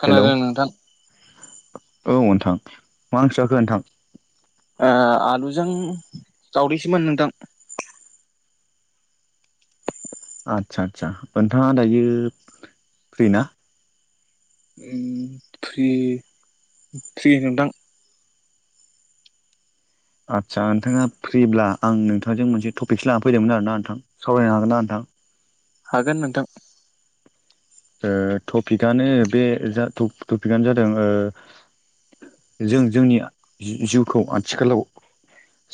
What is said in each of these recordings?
खोनादों नोंथां। औ नोंथां मा ओंख्रि जाखो नोंथां? ओ आलुजों जावदैसोमोन नोंथां। आदसा आदसा ओनथाङा दायो फ्रि ना? उम। फ्रि फ्रि नोंथां। आदसा नोंथाङा फ्रिब्ला आं नोंथांजों मोनसे टपिकसो लानानै फैदोंमोन आरो ना नोंथां सावरायनो हागोन ना नोंथां? हागोन नोंथां। ओ टपिकआनो बे जा टपिक-टपिकआनो जादों ओ जों जोंनि जिउखौ आथिखालाव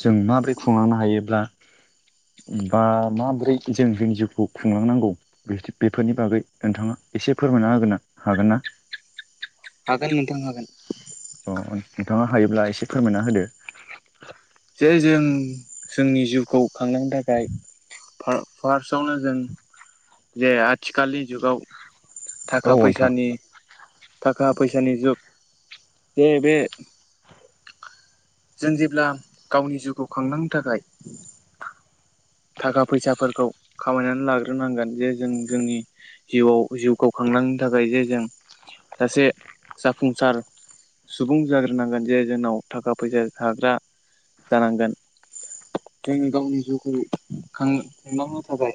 जों माब्रै खुंलांनो हायोब्ला बा माब्रै जों जोंनि जिउखौ खुंलांनांगौ बेफोरनि बागै नोंथाङा एसे फोरमायना होगोन हागोन ना? अ नोंथाङा हायोब्ला एसे फोरमायना होदो। जे जों जोंनि जिउ खौ खांनायनि थाखाय फा-फार्स्टआवनो जों जे आथिखालनि जुगाव थाखा फैसानि थाखा फैसानि जुग जे बे जों जेब्ला गावनि जिउखौ खांलांनो थाखाय थाखा फैसाफोरखौ खामायनानै लाग्रोनांगोन जे जों जोंनि जिउआव जिउखौ खांलांनो थाखाय जे जों सासे जाफुंसार सुबुं जाग्रोनांगोन जे जोंनाव थाखा फैसा थाग्रा जानांगोन। जोंनि गावनि जिउखौ खां-खांलांनो थाखाय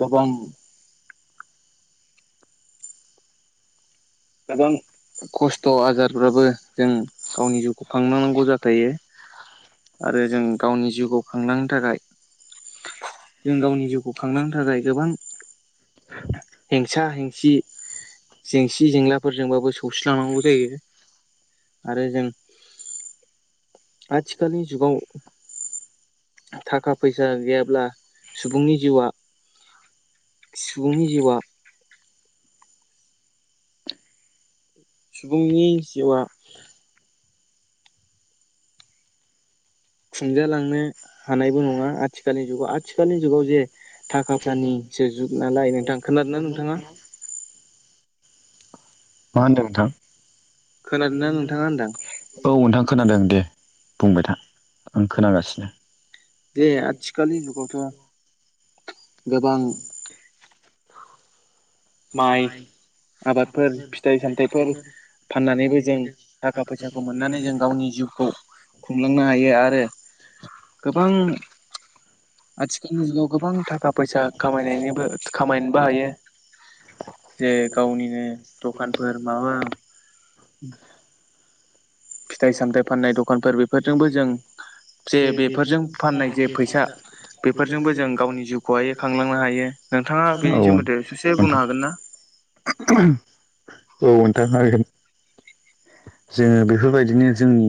गोबां गोबां खस्थ' आजारफ्राबो जों गावनि जिउखौ खांलांनांगौ जाखायो आरो जों गावनि जिउखौ खांलांनो थाखाय जों गावनि जिउखौ खांलांनो थाखाय गोबां हेंसा हेंसि जेंसि जेंलाफोरजोंबाबो सौसिलांनांगौ जायो आरो जों आथिखालनि जुगाव थाखा फैसा गैयाब्ला सुबुंनि जिउआ सुबुंनि जिउआ [inaudible] सुबुंनि जिउआ खुंजालांनो हानायबो नङा आथिखालनि जुगाव। आथिखालनि जुगाव जे थाखा फैसानिसो जुग नालाय नोंथां। खोनादोंना नोंथाङा? मा होनदों नोंथां? औ नोंथां खोनादों दे। बुंबाय था आं खोनागासिनो। दे आथिखालनि जुगावथ' गोबां माइ आबादफोर, फिथाइ सामथाइफोर फाननानैबो जों थाखा फैसाखौ मोननानै जों गावनि जिउखौ खुंलांनो हायो आरो गोबां आथिखालनि जुगाव गोबां थाखा फैसा खामायनायनिबो खामायनोबो हायो। जेरै गावनिनो दखानफोर माबा उम। [unintelligible] [unintelligible] ओ नोंथां हागोन। जोङो बेफोरबायदिनो जोंनि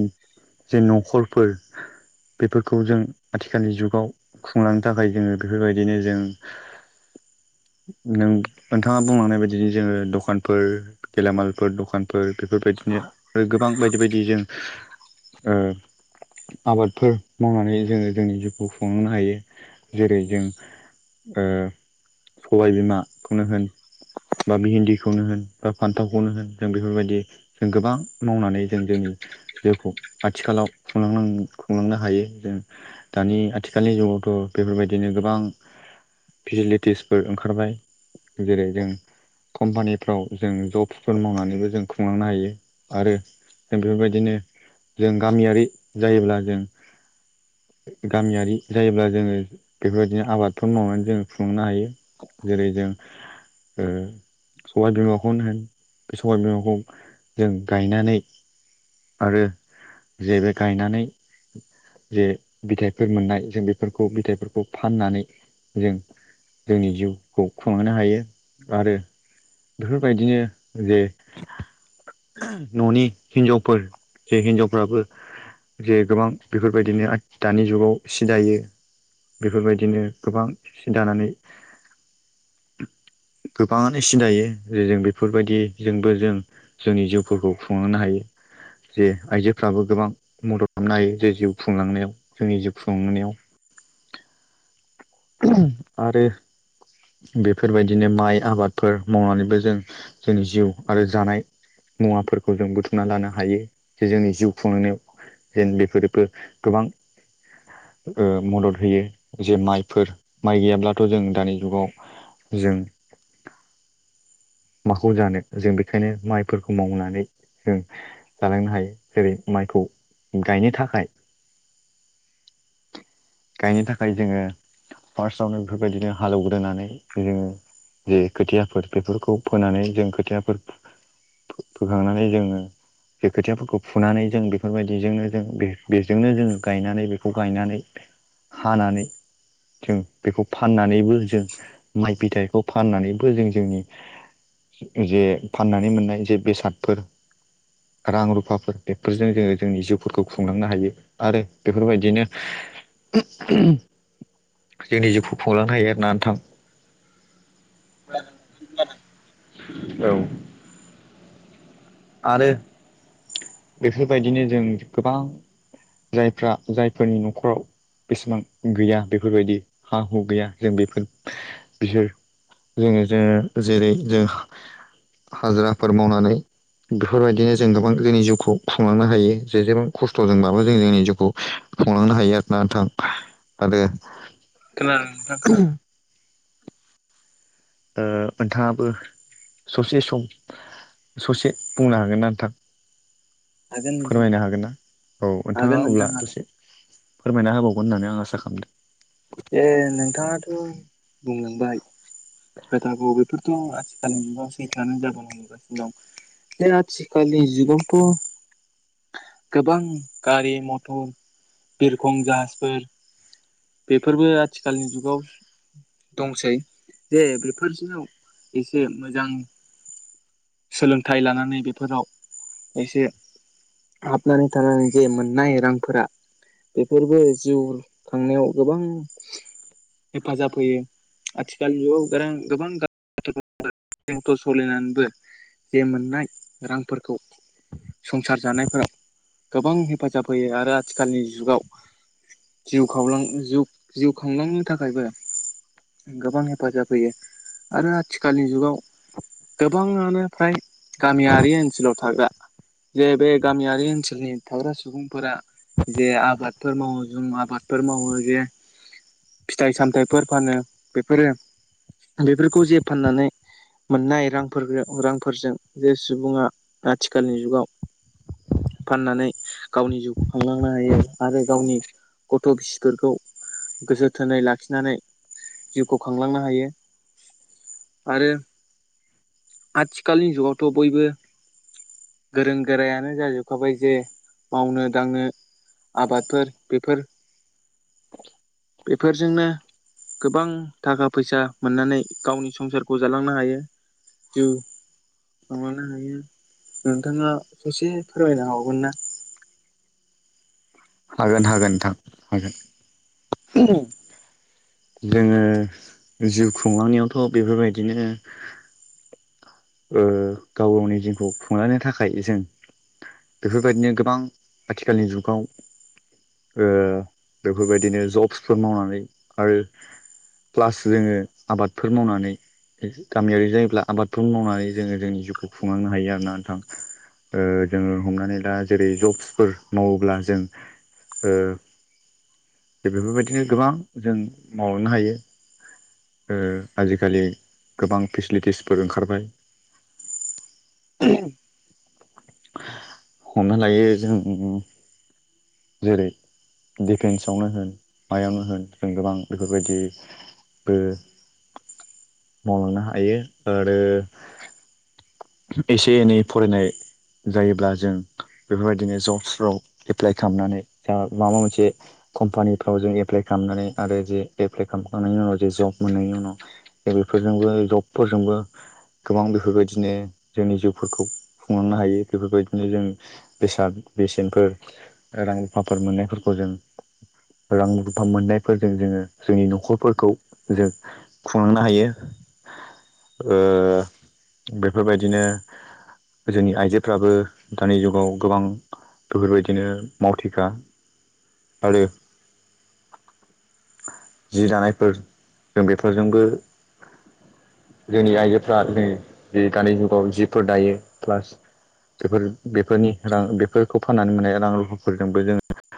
जे नखरफोर बेफोरखौ जों आथिखालनि जुगाव खुंलांनो थाखाय जोङो बेफोरबायदिनो जों नों नोंथाङा बुंलांनाय बायदिनो जोङो दखानफोर गेलामालफोर दखानफोर बेफोरबायदि [unintelligible] गोबां बायदि बायदि जों ओ आबादफोर मावनानै जोङो जोंनि जिउखौ खुंलांनो हायो जेरै जों ओ सबायबिमाखौनो होन बा भिन्दिखौनो होन बा फान्थावखौनो होन जों बेफोरबायदि जों गोबां मावनानै जों जोंनि जिउखौ आथिखालाव खुंलांलां खुंलांनो हायो जों दानि आथिखालनि जुगावथ बेफोरबायदिनो गोबां फेसिलिटिसफोर ओंखारबाय जेरै जों कम्पानिफ्राव जों जबफोर मावनानैबो जों खुंलांनो हायो। आरो जों बेफोरबायदिनो जों गामियारि जायोब्ला जों गामियारि जायोब्ला जोङो बेफोरबायदिनो आबादफोर मावनानै जों खुंनो हायो जेरै जों सबाय बिमाखौनो होन सबाय बिमाखौ जों गायनानै आरो जे बे गायनानै जे बिथायाइफोर मोननाय जों बेफोरखौ बिथाइफोरखौ फाननानै जों जोंनि जिउखौ खुंलांनो हायो आरो बेफोरबायदिनो जे ननि हिनजावफोर जे हिनजावफ्राबो जे गोबां बेफोरबायदिनो आथ दानि जुगाव सि दायो बेफोरबायदिनो गोबां सि दानानै गोबाङानो सि दायो जे जों बेफोरबायदिजोंबो जों जोंनि जिउफोरखौ खुंलांनो हायो जे आइजोफ्राबो गोबां मदद खालामनो हायो जे जिउ खुंलांनायाव जोंनि जिउ खुंनायाव आरो बेफोरबायदिनो माइ आबादफोर मावनानैबो जों जोंनि जिउ आरो जानाय मुवाफोरखौ जों बुथुमना लानो हायो जे जोंनि जिउ खुंलांनायाव जेन बेफोरबो गोबां मदद ओ होयो जे माइ फोर माइ गैयाब्लाथ जों दानि जुगाव जों माखौ जानो जों बेखायनो माइफोरखौ मावनानै जों जालांनो हायो जेरै माइखौ गायनो थाखाय गायनो थाखाय जोङो फार्स्टआवनो बेफोरबायदिनो हालौवग्रोनानै जोङो जे खोथियाफोर बेफोरखौ फोनानै जों खोथियाफोर फोखांनानै जोङो बे खोथियाफोरखौ फुनानै जों बेफोरबायदिजोंनो जों बेजोंनो जों गायनानै बेखौ गायनानै हानानै जों बेखौ फाननानैबो जों माइ फिथाइखौ फाननानैबो जों जोंनि जे फाननानै मोननाय जे बेसादफोर रां रुफाफोर बेफोरजों जोङो जोंनि जिउफोरखौ खुंलांनो हायो आरो बेफोरबायदिनो जोंनि जिउखौ खुंलांनो हायो आरोना नोंथां। [unintelligible] औ आरो बेफोरबायदिनो जोंनि गोबां जायफ्रा जायफोरनि नखर नखराव बेसेबां गैया बेफोरबायदि हा हु गैया जों बेफोर बिसोर जोङो ज जेरै जों हाजिराफोर मावनानै बेफोरबायदिनो जों गोबां जोंनि जिउखौ खुंलांनो हायो जेसेबां खस्थजोंबाबो जों जोंनि जिउखौ खुंलांनो हायो आर नोंथां आरो [unintelligible] ओ नोंथाङाबो ससे सम ससे बुंनो हागोन ना नोंथां? फोरमायनो हागोन ना औ नोंथाङा अब्ला दसे फोरमायना होबावगोन होननानै आं आसा खालामदों। ए नोंथाङाथ बुंलांबाय। खोथाखो बेफोरथ [unintelligible] सैथोआनो [unintelligible] दा आथिखालनि जुगावथ गोबां गारि मथर बिरखं जाहाजफोर बेफोरबो आथिखालनि जुगाव दंसै। जे बेफोरजोव एसे मोजां सोलोंथाइ लानानै बेफोराव एसे हाबनानै थानानै जे मोननाय रांफोरा बेफोरबो जिउ खांनायाव गोबां हेफाजाब होयो आथिखाल जुगाव गोनां गोबां [unintelligible] [unintelligible] सलिनानैबो जे मोननाय रांफोर खौ संसार जानायफोराव गोबां हेफाजाब होयो आरो आथिखालनि जुगाव जिउ खावलां जिउ खांलांनो थाखायबो गोबां हेफाजाब होयो आरो आथिखालनि जुगाव गोबांआ फ्राय गामियारि ओनसोलाव थाग्रा जे बे गामियारि ओनसोलनि थाग्रा सुबुंफोरा जे आबादफोर मावो। जुम आबादफोर मावो जे फिथाइ सामथाइफोर फानो बेफोरो बेफोरखौ जे फाननानै मोननाय रांफोरखो रांफोरजों जे सुबुङा आथिखालनि जुगाव फाननानै गावनि जिउ खांलांनो हायो आरो गावनि गथ' फिसफोरखौ गोसोथोनै लाखिनानै जिउखौ खांलांनो हायो आरो आथिखालनि जुगावथ' बयबो गोरों गोरायानो जाजोबखाबाय जे मावनो दांनो आबादफोर बेफोर [inaudible] बेफोरजोंनो गोबां थाखा फैसा मोननानै गावनि संसारखौ जालांनो हायो जिउ खांलांनो हायो। नोंथाङा ससे फोरमायनो हाबावगोनना हागोन हागोन नोंथां हागोन। जोङो जिउ खुंलांनायावथ' बेफोरबायदिनो ओ गाव गावनि जिउखौ खुंलांनो थाखाय जों बेफोरबादिनो गोबां आथिखालनि जुगाव ओ बेफोरबायदिनो जब्सफोर मावनानै आरो प्लास जोङो आबादफोर मावनानै गामियारि जायोब्ला आबादफो र मावनानै जोङो जोंनि जिउखौ खुंलांनो हायो आरोना नोंथां ओ जोङो हमनानै ला जेरै जब्सफोर मावोब्ला जों ओ बेफोरबायदिनो गोबां जों मावनो हायो ओ आजिखालि गोबां फेसिलिटिसफोर ओंखार बाय हमना लायो जों जेरै दिफेन्सआवनो होन मायावनो होन जों गोबां बेफोरबायदि बो मावलांनो हायो आरो एसे एनै फरायनाय जायोब्ला जों बेफोरबायदिनो जब्सफ्राव एप्लाइ खामनानै जा माबा मोनसे कम्पानिफ्राव जों एप्लाइ खामनानै आरो जे एप्लाइ खामखांनायनि उनाव जे जब मोननायनि उनाव बेफोरजोंबो जबफोरजोंबो गोबां बेफोरबायदिनो जोंनि जिउफोरखौ खुंलांनो हायो बेफोरबायदिनो जों बेसाद बेसेनफोर रां रुफाफोर मोननायफोरखौ जों रां रुफा मोननायफोरजों जोङो जोंनि न'खरफोरखौ जों खुंलांनो हायो ओ बे बेफोरबायदिनो जोंनि आइजोफ्राबो दानि जुगाव गोबां बेफोरबायदिनो मावथिखा आरो जि दानायफोर जों बेफोरजोंबो जोंनि आइजोफ्रा दिनै जि दानि जुगाव जिफोर दायो प्लास बेफोर बेफोरनि रां बेफोरखौ फाननानै मोननाय रां रुफाफोरजोंबो जोङो